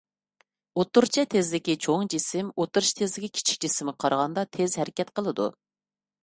ئوتتۇرىچە تېزلىكى چوڭ جىسىم ئوتتۇرىچە تېزلىكى كىچىك جىسىمغا قارىغاندا تېز ھەرىكەت قىلىدۇ.